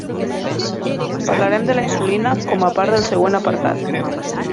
Parlarem de la insulina, com a part del següent apartat.